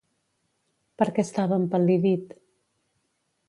Per què estava empal·lidit?